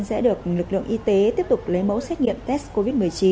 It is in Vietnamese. sẽ được lực lượng y tế tiếp tục lấy mẫu xét nghiệm test covid một mươi chín